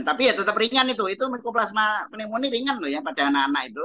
tapi tetap ringan itu mikroplasma penimunin ringan pada anak anak itu